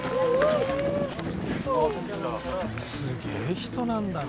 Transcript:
「すげえ人なんだな」